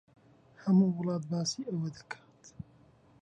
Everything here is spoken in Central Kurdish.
ھەموو وڵات باسی ئەوە دەکات.